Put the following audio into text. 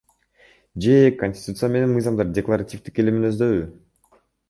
Же Конституция менен мыйзамдар декларативдик эле мүнөздөбү?